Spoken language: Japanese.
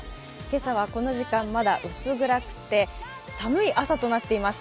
今朝はこの時間、まだ薄暗くて寒い朝となっています。